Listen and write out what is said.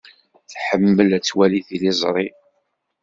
Tḥemmel ad twali tiliẓri.